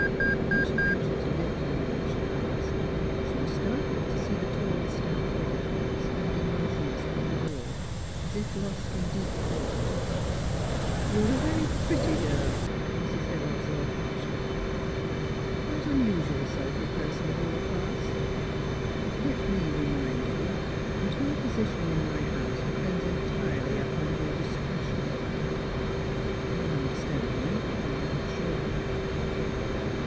But when she ventured to lift her abashed eyes, she was startled to see the tall stout figure standing motionless by the door, as if lost in deep thought. *' You are a very pretty girl," Mrs. Hill ob served harshly. '' Quite unusually so for a person of your class. But let me remind you that your position in my house depends entirely upon your discretion. You understand me, I am sure."